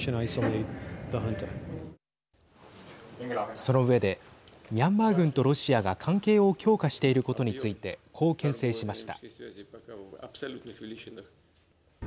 その上でミャンマー軍とロシアが関係を強化していることについてこう、けん制しました。